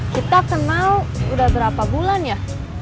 kita kenal udah berapa bulan ya